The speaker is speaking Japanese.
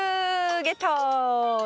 ゲットー。